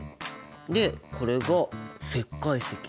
でこれが石灰石。